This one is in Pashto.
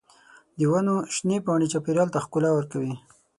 د ونو شنې پاڼې چاپېریال ته ښکلا ورکوي.